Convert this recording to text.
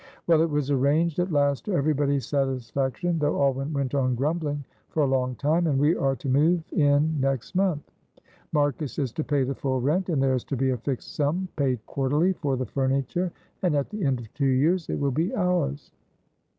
"Well, it was arranged at last to everybody's satisfaction, though Alwyn went on grumbling for a long time, and we are to move in next month. Marcus is to pay the full rent, and there is to be a fixed sum paid quarterly for the furniture, and at the end of two years it will be ours.